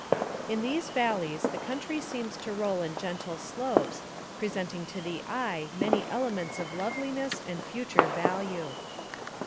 In these valleys the country seems to roll in gentle slopes, presenting to the eye many elements of loveli ness and future value.